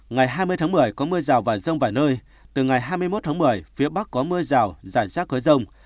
ngày hai mươi tháng một mươi có mưa rào và rông vài nơi từ ngày hai mươi một tháng một mươi phía bắc có mưa rào rải rác có rông